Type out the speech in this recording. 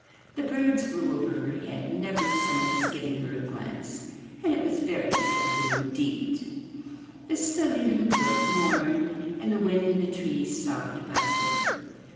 The birds flew over her head, never so much as giving her a glance, and it was very dread ful indeed. The Silly Little Brook mourned and the wind in the trees sobbed above her.